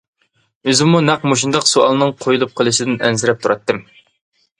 ئۆزۈممۇ نەق مۇشۇنداق سوئالنىڭ قويۇلۇپ قېلىشىدىن ئەنسىرەپ تۇراتتىم.